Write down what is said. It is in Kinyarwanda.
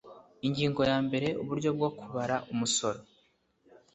ingingo ya mbere uburyo bwo kubara umusoro